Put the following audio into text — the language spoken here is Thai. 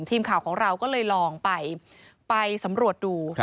ทีมข่าวของเราก็เลยลองไปไปสำรวจดู